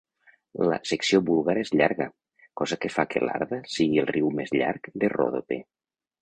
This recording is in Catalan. La secció búlgara és llarga, cosa que fa que l'Arda sigui el riu més llarg de Ròdope.